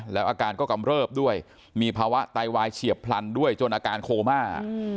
แล้วอาการก็กำเริบด้วยมีภาวะไตวายเฉียบพลันด้วยจนอาการโคม่า